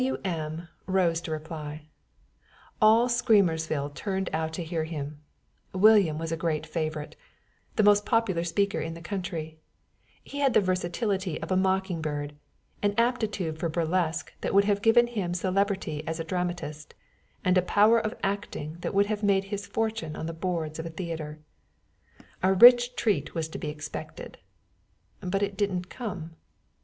W.M. rose to reply. All Screamersville turned out to hear him. William was a great favorite, the most popular speaker in the country, had the versatility of a mocking bird, an aptitude for burlesque that would have given him celebrity as a dramatist, and a power of acting that would have made his fortune on the boards of a theater. A rich treat was expected, but it didn't come.